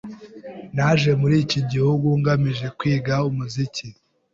Naje muri iki gihugu ngamije kwiga umuziki.